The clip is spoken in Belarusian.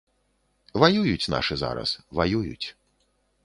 Ваююць нашы зараз, ваююць.